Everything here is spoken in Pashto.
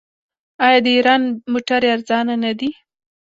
آیا د ایران موټرې ارزانه نه دي؟